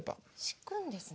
敷くんですね。